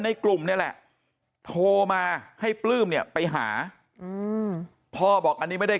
ในกลุ่มนี่แหละโทรมาให้ปลื้มเนี่ยไปหาพ่อบอกอันนี้ไม่ได้